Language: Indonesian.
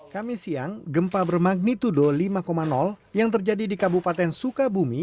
kami siang gempa bermagnitudo lima yang terjadi di kabupaten sukabumi